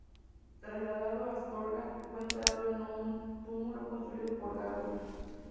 Trasladado a Astorga, fue enterrado en un túmulo construido por Gaudí.